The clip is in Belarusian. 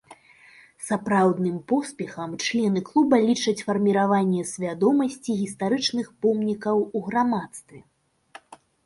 Сапраўдным поспехам члены клуба лічаць фарміраванне свядомасці гістарычных помнікаў у грамадстве.